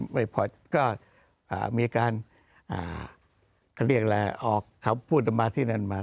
ไม่พอก็มีการเขาเรียกอะไรออกคำพูดออกมาที่นั่นมา